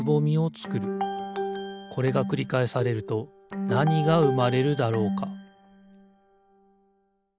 これがくりかえされるとなにがうまれるだろうか？